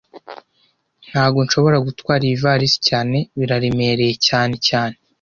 Ntago nshobora gutwara iyivalisi cyane Biraremereye cyane cyane